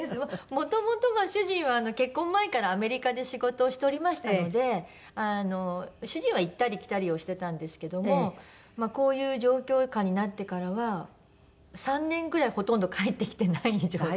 もともとまあ主人は結婚前からアメリカで仕事をしておりましたので主人は行ったり来たりをしてたんですけどもこういう状況下になってからは３年ぐらいほとんど帰ってきてない状態。